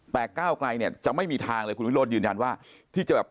แต่ก้าวไกลเนี่ยจะไม่มีทางเลยคุณวิโรธยืนยันว่าที่จะแบบ